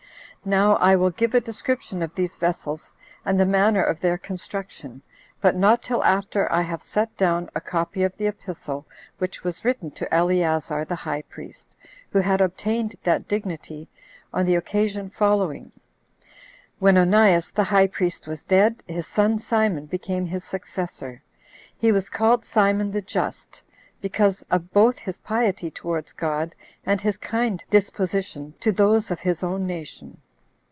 Now I will give a description of these vessels, and the manner of their construction, but not till after I have set down a copy of the epistle which was written to Eleazar the high priest, who had obtained that dignity on the occasion following: When Onias the high priest was dead, his son Simon became his successor. He was called Simon the Just 5 because of both his piety towards God, and his kind disposition to those of his own nation.